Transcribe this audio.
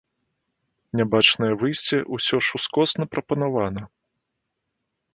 Нябачнае выйсце ўсё ж ускосна прапанавана.